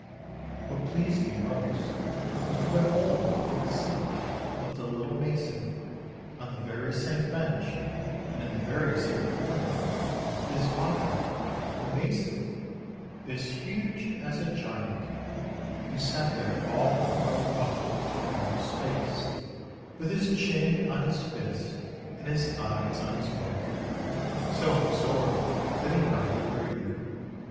What pleased me most was to behold in the seat of the ' 'little mason," on the very same bench and in the very same corner, his father, the mason, as huge as a gaint, who sat there all coiled up into a narrow space, with his chin on his fists and his eyes on his book, so ab sorbed that he hardly breathed.